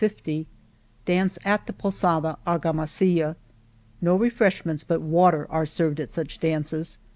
'49 Dance at the Posada, Argamasilla, No refresh ments but water are served at such dances.